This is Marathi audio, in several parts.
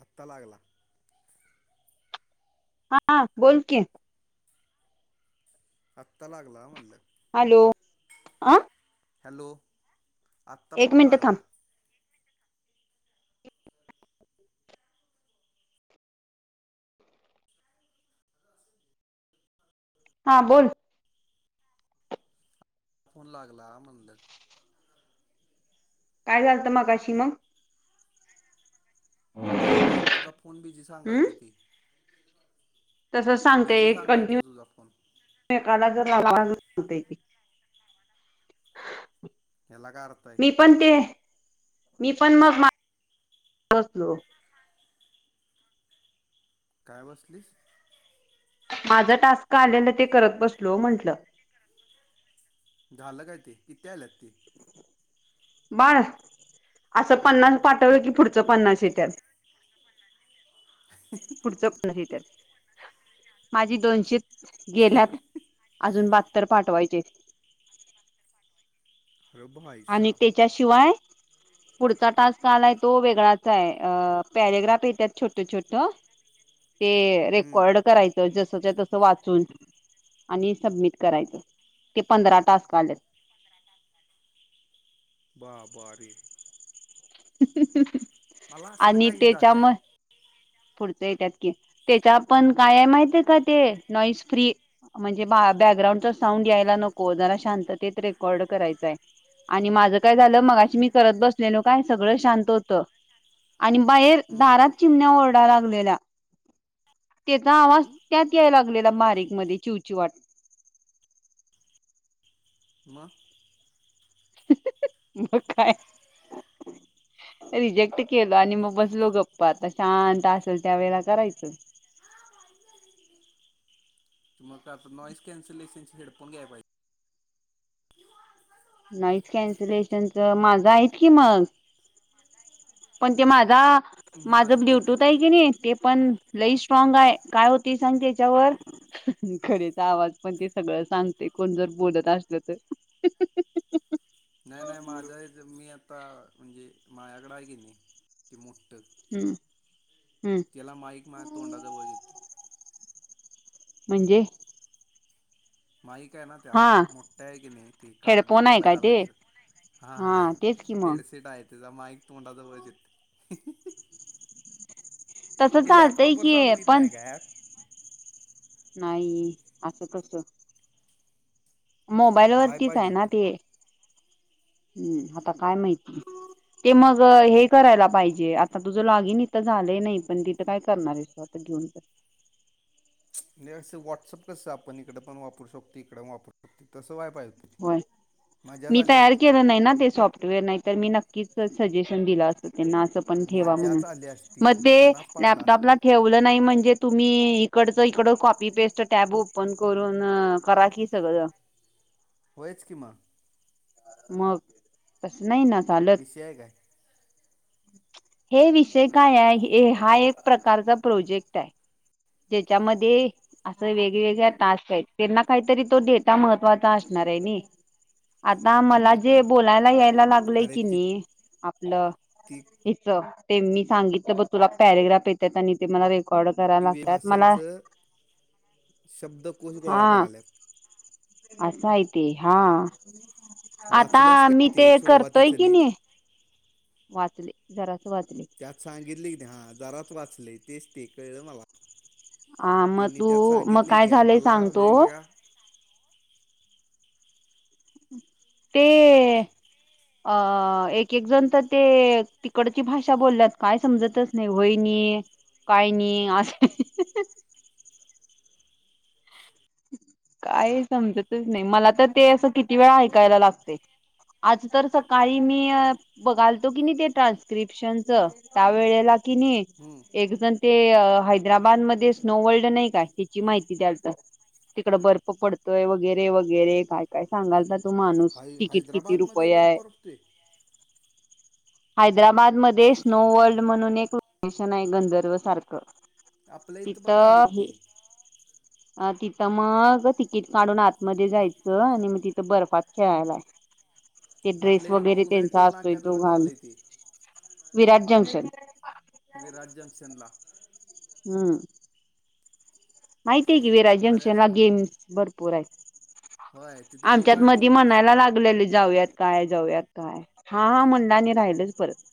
आता लागला. हा बोल कि. आत्ता लागला म्हणलं. हॅलो अ. हॅलो आत्ता एक फोन मिनिट थांब लागला. हा बोल. आत्ता फोन लागला म्हटलं. काय झालतं मगशी मग. काय माहित तुझा फोन बिझी सांगालते ते. तस सांगते बिझी सांगाल तर तुझा फोन कंटिन्यका जर [unintelligible] याला काय अर्थ आहे. मी पण ते मी पण मग [unintelligible] माझ बसलो. काय बसलीस? माझा टास्क का आलेलं ते करत बसलो म्हंटल झालं काय ते किती आल्यात? ते बाळ असं पन्नास, पाठवलं की पुढचं पन्नास येत्यात. पुढच [unintelligible] नाही त्यात माझी दोनशे गेल्यात अजून बात्तर पाठवायचे. अरे भाई आणि साहब त्यांच्या शिवाय पुढचा टास्क आलाय तो, वेगळाच आहे पॅरेग्राफ येतात छोट, छोट, [unintelligible] [inaudible] ते हम्म रेकॉर्ड करायचं जस [unintelligible] तस वाचून आणि सबमिट करायचं ते पंधरा टास्क आलेत. [unintelligible] बा ब रे [unintelligible] मला असेल काय ईना, झाल्या, पुढचं त्यात की त्याच्या पण काय आहे. माहिती का ते नॉईस फ्री म्हणजे बा बॅकग्राउंडचा साऊंड यायला नको, जरा शांततेत रेकॉर्ड करायचाय आणि माझं काय झालं मगाशी, मी करत बसलेलो काय सगळं शांत होत. आणि बाहेर हम्म दारात चिमण्या, ओरडा लागलेल्या. त्याचा आवाज त्यात याय लागलेला. बारीक म चिवची वाट मग मग काय [unintelligible] [inaudible] रिजेक्ट केल आणि मग बसलो, गप्पा आता शांत असेल त्या वेळे करायचं [inaudible] त मग आता नॉईज कॅन्सलेशनचे हेडफोन घ्याय पाहिजे. नॉईज कॅन्सलेशन च माझं आहेत की मग. पण ते माझा माझं ते ब्लूटूथ आहे की नाही ते पण लई स्ट्रॉग आहे काय होते सांगते, याच्यावर खडेचा आवाज पण ते सगळं सांगते, कोण जर बोलत असल तर [unintelligible] नाही नाही माझं आहे ते मी आता म्हणजे माझ्याकडे, आहे की नाही ते मोठ ट हम्म हम्म त्याला माईक माया तोंडा जवळ येतो म्हणजे? माईक आहे ना त्या हा मोठ्ठा आहे की नाही ती का हेडफोन आहे डोक्याला काय ते घालायचं. हां हा तेच कि मग. हेडसेट आहे त्याचा माईक तोंडा जवळच येते तसं चालतय की चालू येत पण नाही का ॲप नाही आस कस मोबाईल व्हाय वरतीच पाहिजे आहे ना, होतं ते हम्म. आता काय माहिती ते मग हे करायला, पाहिजे आता तुझं लॉगिन इथं झालंय नाही. पण तिथं काय करणार [unintelligible] घेऊन तर. म्हणजे असं व्हॉट्सअप कसं आपण इकड, पण वापरू शकतो. इकड वापरू शकतो. तस होय मी तयार असती केलं नाही ना, ते सॉफ्टवेअर नाही तर मी न, की स सजेशन दिलं अस त्यांना अस पण ठेवा म्हणून, मजाच आली असती मग ते बुकनाच पाडला असता लॅपटॉपला ठेवलं नाही म्हणजे तुम्ही इकडच, इकड कॉपी पेस्ट टॅब ओपन करून अ करा कि सगळं होयच किमा मग तस नाही ना, चालत विषय आहे काय? हे विषय काय आहे हा एक प्रकारचा प्रोजेक्ट आहे ज्याच्यामध्ये असं वेगवेगळ्या टास्क आहेत त्यांना काहीतरी तो डेटा महत्त्वाचा असल णार आहे अर आता मला जे बोलायला यायला लागलंय अरे की ती नाही आपलं ह ते मी सांगितलं ब तुला पॅरेग्राफ येत आणि ते मला रेकॉर्ड करायला ह लागतात मला भाषांचा शब्दकोश गोळा क हा आल्या असं य ते हा आता वाचल्यास मी काय ते करतोय सुरुवातीचं कि नीट नाही वाचले जरास वाचले त्यात सांगितली क हाजारात वाचले तेच ते कळलं मला ह मग त्यांनी तू त्यात मग सांगितले काय की झालंय आम्हाला सांगतो वेगवेगळ्या ते बोल की अ एक एक जण तर ते तिकडची भाषा बोलल्यात काय समजतच नाही होईनी काही नाही अस [unintelligible] काय समजतच नाही मला तर ते असं किती वेळा ऐकायला लागते आज तर सकाळी मी बघालतो की नाही ते ट्रान्स्क्रिप्शनच त्यावेेळेला कि नाही हम्म एक जण ते हैदराबादमध्येध्ये स्नोवर्ल्ड नाही का त्याची माहिती द्यावतं तिकड बर्फ पडतय वगैरे वगैरे काय काय सांगाल तो माणूस हाय तिकीट किती हैदराबादमध्ये रुपये वर आहे परतोय हैदराबाद मध्ये स्नो वर्ल्ड म्हणून एक लोकेशन आहे गंधर्व सारखं आपल्या इथं पण झालं तिथं की हे ते अ ति तर मग तिकीट काढून आतमध्येध्ये जायचं आणि मी तिथं बर्फात खेळायलाय ते ड्रेस आपल्या इथं वगैरे कोगनळ त्यांचा टोल असतोय नाक्याजवळ दोघल झालंय ते विराट जंक्शन ला हम माहिती आहे की वरा भारी जंक्शन ला असणार गेम्स भरपूर आहेत होय तिथं गो आमच्यात मध कार्टिंग पण म्हणायला आहे लागलेले जाऊयात काय जाऊयात काय हा हा म्हणलं राहिलच परत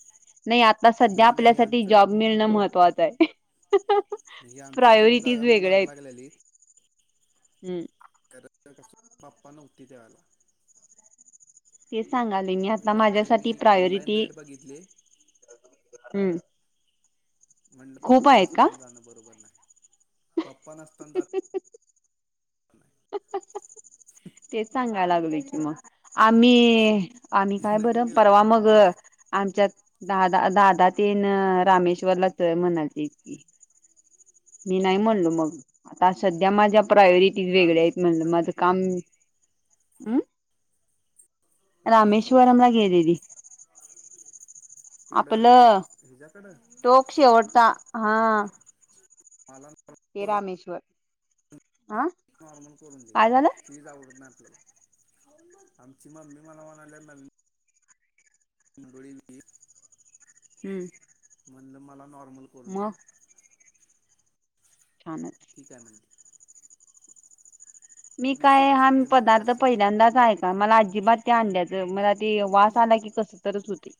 नाही आता सध्या नाही नाही हे आपल्यासाठी आमच्यात जॉब मिळणं महत्त्वाचं आहे ही आमच्यातली पण प्रायोरिटीज जाव्या म्हणून वेगळ्या मग आहेत. लागलेली हम्म करा कस बाप्पा नव्हती दवाला ते सांगाले मी आता तिथले माझ्यासाठी मी ऑनलाईन प्रायोरिटी रेट बघितले हम्म खूप पप्पा आहेत का नसताना जाणं बरोबर नाही पप्पा नसताना जात नाही तेच सांगाय लागले कि मग आम्ही आम्ही काय नाही बरं गेले परवा मग टेन्शन नाही आमच्यात दादा दादा तेन रामेश्वरला च म्हणायचेी मी नाही म्हणलो मग आता सध्या माझ्या प्राय वेग रामेश्वर म्ह मा कुठं काम रामेश्वर कुठं रामेश्वरमलागे देी तिकडं आपलं हिच्याकडं टोक शवडता हा मला ते करून रामेश्वर अह नॉर्मल करून देीज आवडत आमची मम्मी मला म्हणाल्या नडळी बीर हम्म मला नॉर्मल करून दे मग छानच ठीक हाय म्हणती. मी विषय काय का हा सुटते माहिती पदार्थ जास्त पहिल्यांदाच ऐका मला अजिबात त्या अंड्याच मला ते वास आला की कस तरच होतय.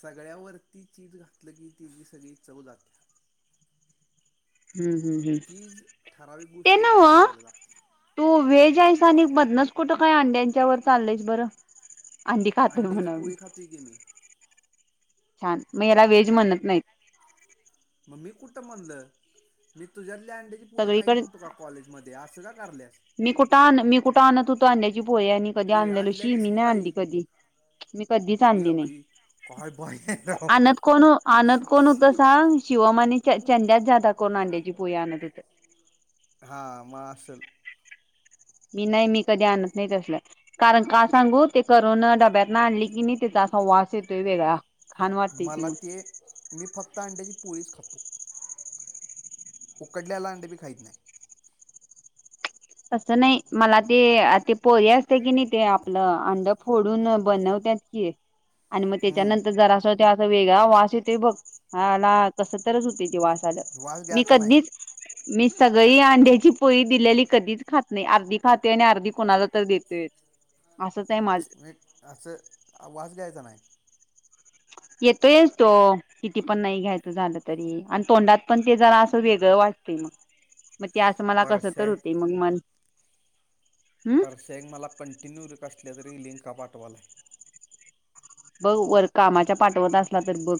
सगळ्यावरती चीज घातलं की, तिजी सगळी चव जात्या. हूं हूं हूं चीज ठराविक ते गोष्टींवर नव्ह चांगलं लागते तु व्हेज स आणि मध कुठं काय अंड्यांच्या व चालयस बरं अंडी खातो ना अंड्याची म्हणव मी पोळी खातोय की मी छान म याला व्हेज म्हणत नाहीत. म मी कुठं म्हणलं मी तुझ्यातली अंड्याची पोळी खाईत सगळीकडे नव्हतो का कॉलेजमध्ये असं का करल्यास मी कुठं आण मी कुठं आणत होतो अंड्याची पोळी आणि कधी ए आणलेलो शी आणलेलीस मी की नाये बाई आणली कधी मी कधीच ए आणली आई नाय काय बाई आहे राव आणत कोण आणत कोण होत सांग शिवम आणि चं चंंदा जाादा करून अंड्याची पोळी आणत होतं. हा म असल. मी नाय मी कधी आणत नाय तसल कारण का सांगू ते करून डब्यात ना आणली की नी तेजा असा वास येतोय वेगळा. घाण वाटते ती मला मग. ते मी फक्त अंड्याची पोळीच खातो. उकडल्याला अंड बी खाईत नाय. तसं नाय मला ते ते पोळी असते की नाय ते आपलं अंड फोडून बनव त्यात की आणि मग त्याच्यानंतर हम्म जरा असं हो असा वेगळा वास येतोय बघ हला कसंतरच होतय ते वास न वास मी घ्यायचा नाही कधीच मी सगळी अंड्याची पोळी दिलेली कधीच खात नाय अर्धी खाते आणि अर्धी कोणाला तर देतोयच. एक असं वास घ्यायचा नाय. येतोयच तो किती पण नाही घ्यायचं झालं तरी आणि तोंडात पण ते जरा असं वेगळं वाट ते मग [inaudible] म ते असं मला कसंतर परशाय होतंय मग मन हम् परश्या एक मला कंटिन्यू र कसल्या तरी लिंका पाठवालाय. बग वर कामाच्या पाठवत असला तर बघ.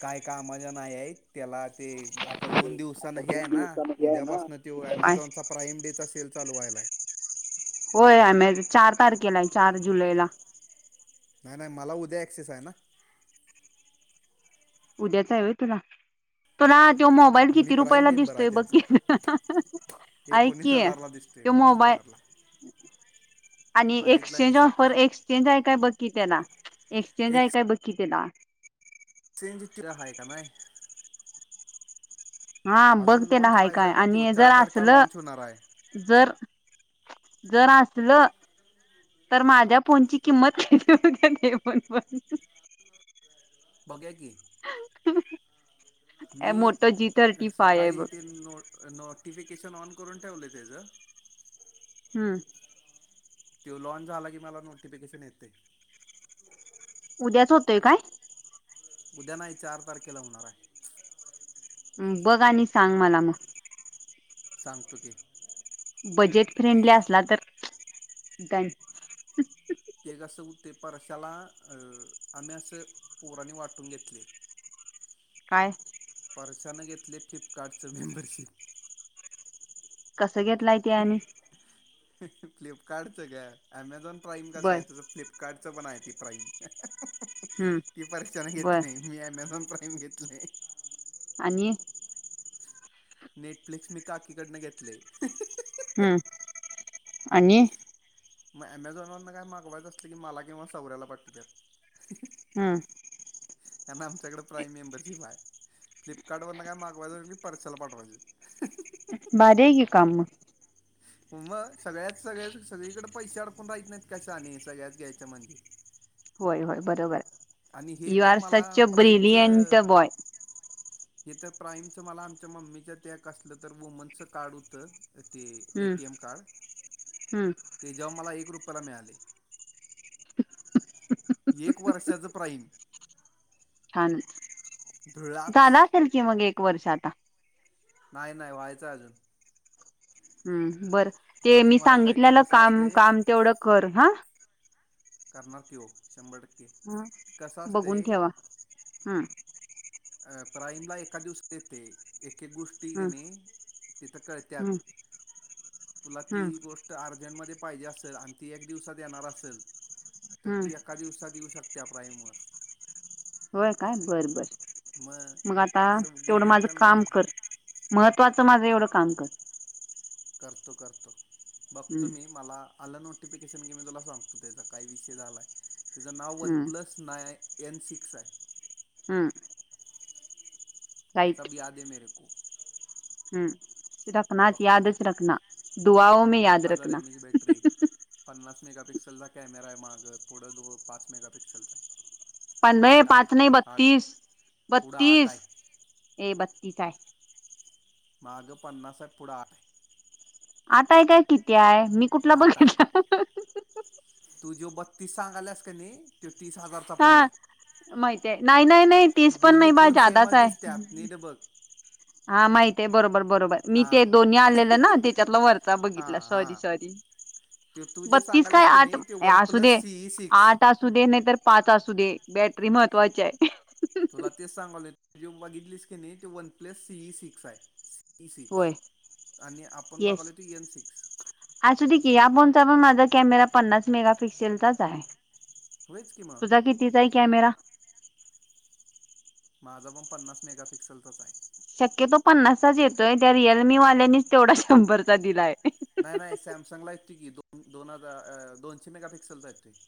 काय कामाच्या नाही आहेत त्याला ते आता दोन दिवसानं हे आहे ना उद्यापासन तो काय अमेझॉनचा प्राईम डे चा सेल चालू व्हायला [unintelligible] होय अमे चार तारखेलाय आहे चार जुलैला. नाय नाय मला उद्या एक्सेस हाय ना. उद्याच आहे होय तुला, तुला तो मोबाईल मी किती प्राईम रुपयाला मेंबर आहे दिसतोय बघ की, त्यांचा ऐक एकोणीस की हजारला दिसतो तो एकोणीस मोबाईल [inaudible] आणि बघितलाय मी एक्चेंज ऑफर सकाळी एक्सचेंज आहे काय बकी त्याला एक्सचेंज आहे काय बग की त्याला. चेंज तीला हाय काय नाय? हा बघ अजून ते ना लॉन्च हाय काय व्हायचाय ना त्यो आणि जर चार तारखेला असलं लाँन्च होणार हाय. जर जर असलं तर माझ्या फोनची किंमत कती हाय बघ बरं बघुया की, मी मोठं जी थर्टी फाय आहे सकाळी बघ ते नो नोटिफिकेशन ऑन करून ठेवल तेजं हम्म तो लॉन्च झाला की मला नोटिफिकेशन येतंय. उद्याच होतोय काय? उद्या नाही चार तारखेला होणार आहे. बघा आणि सांग मला मग. सांगतो की बजेट फ्रेंडली असला तर ते कसं हुतंय परशाला आम्ही असं पोरानी वाटून घेतलंय काय? पर्शानं घेतलंय फ्लिपकार्टचं मेंबरशिप, कसं घेतलाय ते आणि फ्लिपकार्टचं गं अमेझॉन प्राईम कसं बर आहे तुझ फ्लिपकार्टचं पण आहे ते प्राईम. हम्म ती परशान बर घेतलय, मी अमेझॉन प्राईम घेतलंय. आणि नेटफ्लिक्स मी काकीकडनं घेतलंय हम्म आणि मग अमेझॉन वरनं काय मागवायचं असलं की मला किंवा सौऱ्याला पाटवत्यात, हम. कारण आमच्याकडे प्राईम मेंबरशिप आहे. फ्लिपकार्ट वरनं काय मागवायच असलं की परश्याला पाठवायचं. भारी आहे की काम म मग सगळ्यात सगळे सगळीकडे पैसे अडकून राहीत नाहीत काय शाने, सगळ्यात घ्यायचं म्हणजे होय, होय, बरोबर, आणि हे यू तर आर मला सच अ ब्रिलियंट प्राईमचं बॉय. हे तर प्राईमच मला आमच्या मम्मीच्या त्या कसलं तर वुमनच काढ होतं. ते ए, हम्म टी, एम, कार्ड हम्म ते जेव्हा मला एक ग्रुप मला मिळाली. एक वर्षाचं प्राईम छान, धुळाच झाला असेल की मग एक वर्ष आता. नाय, नाय, व्हायचंय अजून हम्म, बर ते अजून मी व्हायचं आहे ते सांगितलेलं कसं काम, असते काम तेवढं कर हा. करणार की ओ शंभर टक्के हा, कसं असते बघून ठेवा, हम अ प्राईमला एका दिवस येते. अनेख गोष्टी की हम्म नई, तिथं कळत्याात. हम्म तुला, ती हम्म गोष्ट अर्जंटमध्ये पाहिजे असल आणि ती एक दिवसात येणार असल तर हम्म ती एका दिवसात येऊ शकत पण त्या प्राईमवर. होय काय, बर, बर. मग आता, असं उगीच तेवढं माझं घेतलेलं नाही मी काम ते कर, महत्वाचं माझं एवढं काम कर. करतो, करतो, हम्म बघतो मी मला आलं नो इन्व्हिटेशन घे मी तुला सांगतो त्याचा काही विषय झालाय, त्याचं नाव वन हम्म प्लस ना एन, सीक्स हाय हम्म राईट सब याद हे मेरे को हम्म रखनाच, बघतो मी यादच रखना, दुआओ मे याद आठ हजार रखना. पिक्सेलचा कॅमेरा आहे माग पुढं दो पाच मेगापिक्सेलचा आहे. वन बाय आठ आठ पाच नाहीय आठ बत्तीस पुढं आठ बत्तीस, आहे ए बघ की काय मागं पन्नास साठ पुढं आ आताय काय, किती आहे? मी कुठला आठ बघितला? आहे कधी हा माहितय, नाही, नाही, नाही ते तीस पण दोन्ही नाही बा फोन जादाच सेमच आहे. दिसतात नीट बघ हा, माहितेय बरोबर बरोबर मी हा ते दोन्ही आलेलं ना, त्याच्यातला वरचा हा बघितला, हा सॉरी, सॉरी. ते तू जे बत्तीस काय सांगालास की आठ नाही ते ए वन असू प्लस दे, सीई सिक्स आठ असू दे, नाही तर पाच असू दे ब महत्वाची आहे. तुला तेच सांगायलोय, ज बघितलीस की नाही ते वन प्लस ई सिक्स आहे. सीई सिक्स होय, आणि आपण बघालोय येस, ते एन सिक्स असू दे की, आपण जमा मागल कॅमेरा पन्नास मेगापिक्सेलचाच हाय, होयच की मग तुझा कितीचा आहे कॅमेरा? माझा पण पन्नास मेगापिक्सेलचाच हाय. शक्यतो पन्नासच येतोय, त्या रिअलमीवाल्यानीच तेवढा शंभरचा दिलाय. नाही नाही सॅमसंगला येतोय की दोन दोन हजा अ दोनशे मेगापिक्सलचा आहेत ते